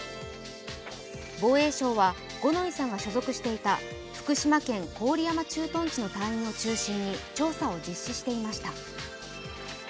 防衛省は五ノ井さんが所属していた福島県郡山駐屯地の隊員を中心に調査を実施していました。